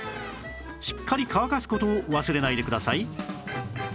しっかり乾かす事を忘れないでください